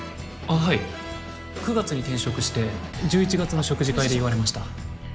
あっはい９月に転職して１１月の食事会で言われましたあっ刀根社長